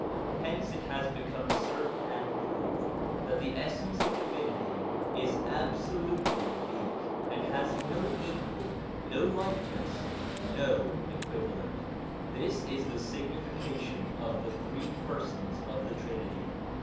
Hence it has become certain and proved that the Essence of Divinity is absolutely unique, and has no equal, no likeness, no equivalent. This is the signification of the Three Persons of the Trinity.